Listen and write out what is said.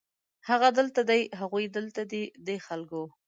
هغه دلته دی، هغوی دلته دي ، دې خلکو